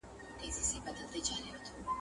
شا او مخ ته یې پر هر وګړي بار کړل ..